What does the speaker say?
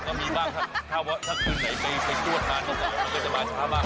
ก็มีบ้างถ้าคืนไหนไปไปด้วยก็บอกว่าจะมาช้ามัก